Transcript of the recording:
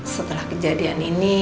setelah kejadian ini